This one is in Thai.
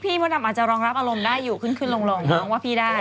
มดดำอาจจะรองรับอารมณ์ได้อยู่ขึ้นลงน้องว่าพี่ได้